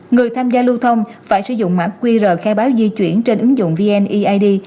người tham gia lưu thông phải sử dụng mã qr khai báo di chuyển trên ứng dụng vneid